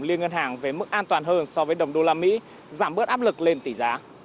liên ngân hàng về mức an toàn hơn so với đồng đô la mỹ giảm bớt áp lực lên tỷ giá